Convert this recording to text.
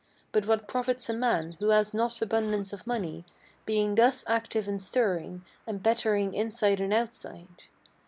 But what profits a man, who has not abundance of money, Being thus active and stirring, and bettering inside and outside?